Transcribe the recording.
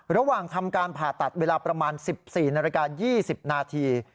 ระหว่างทำการผ่าตัดเวลาประมาณ๑๔นาฬิกา๒๐นาที